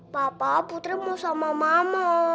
papa putri mau sama mama